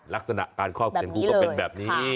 ลักษณะการครอบแขนครูก็เป็นแบบนี้